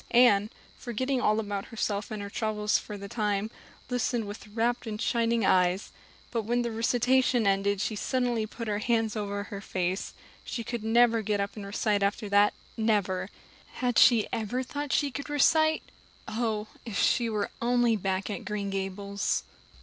Anne, forgetting all about herself and her troubles for the time, listened with rapt and shining eyes; but when the recitation ended she suddenly put her hands over her face. She could never get up and recite after that never. Had she ever thought she could recite? Oh, if she were only back at Green Gables!